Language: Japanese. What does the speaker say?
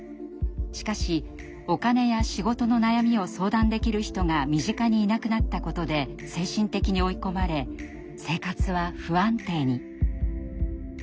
しかしお金や仕事の悩みを相談できる人が身近にいなくなったことで精神的に追い込まれ生活は不安定に。